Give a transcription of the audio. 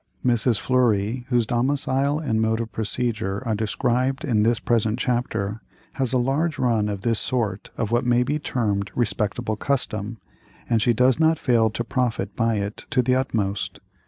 Mrs. Fleury, whose domicile and mode of procedure are described in this present chapter, has a large run of this sort of what may be termed respectable custom, and she does not fail to profit by it to the utmost.